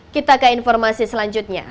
kita ke informasi selanjutnya